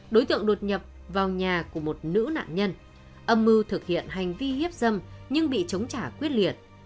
đối tượng đột nhập vào nhà của một nữ nạn nhân âm mưu thực hiện hành vi hiếp dâm nhưng bị chống trả quyết liệt